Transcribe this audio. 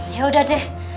ya udah deh